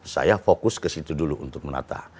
saya fokus ke situ dulu untuk menata